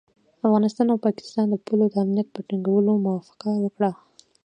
افغانستان او پاکستان د پولو د امنیت په ټینګولو موافقه وکړه.